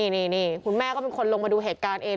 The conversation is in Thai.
นี่คุณแม่ก็เป็นคนลงมาดูเหตุการณ์เอง